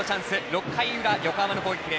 ６回の裏、横浜の攻撃。